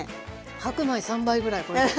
白米３杯ぐらいはこれで。